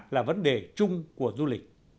là vấn đề chung của du lịch